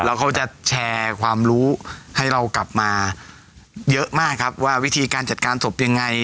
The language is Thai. แล้วเขาจะแชร์ความรู้ให้เรากลับมาเยอะมากครับว่าวิธีการจัดการศพยังไง